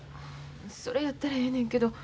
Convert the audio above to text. それやったらええねんけど。